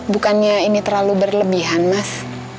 bukannya ini terlalu berlebihan mas